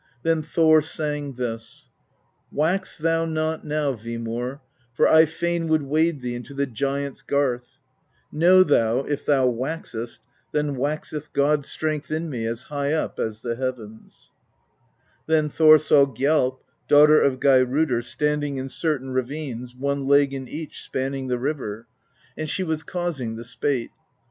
Then Thor sang this: Wax thou not now, Vimur, For I fain would wade thee Into the Giants' garth: Know thou, if thou waxest. Then waxeth God strength in me As high up as the heaven. "Then Thor saw Gjalp, daughter of Geirrodr, stand ing in certain ravines, one leg in each, spanning the river, THE POESY Of SKALDS 123 and she was causing the spate.